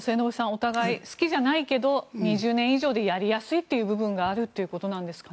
お互い好きじゃないけど２０年以上でやりやすいという部分があるということですか？